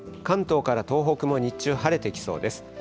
関東から東北も日中、晴れてきそうです。